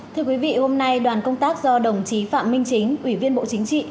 thưa quý vị hôm nay đoàn công tác do đồng chí phạm minh chính ủy viên bộ chính trị